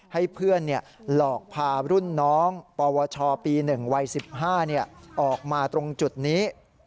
ให้เพื่อนหลอกพารุ่นน้องปวชปี๑วัย๑๕ออกมาตรงจุดนี้